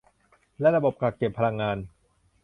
และระบบกักเก็บพลังงาน